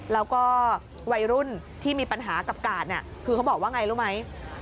แล้วก็วัยรุ่นที่มีปัญหากับกาดคือเขาบอกว่าไงรู้ไหม